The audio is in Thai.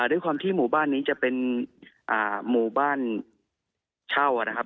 ด้วยความที่หมู่บ้านนี้จะเป็นหมู่บ้านเช่านะครับ